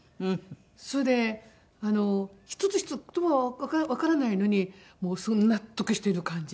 それで一つ一つ言葉はわからないのにすごい納得してる感じ。